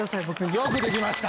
よくできました！